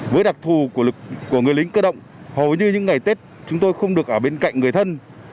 với đặc thù của người lính cơ động hầu như những ngày tết chúng tôi không được ở bên cạnh người thân